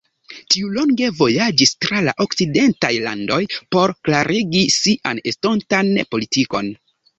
Tiu longe vojaĝis tra la okcidentaj landoj por klarigi sian estontan politikon.